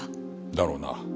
だろうな。